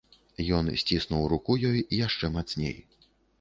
Ён сціснуў руку ёй яшчэ мацней.